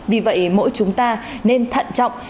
vì vậy mỗi chúng ta nên thận trọng